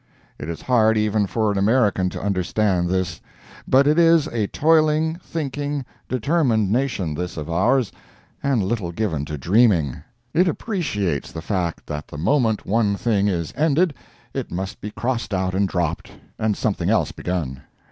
It is hard even for an American to understand this. But it is a toiling, thinking, determined nation, this of ours, and little given to dreaming. It appreciates the fact that the moment one thing is ended, it must be crossed out and dropped, and something else begun.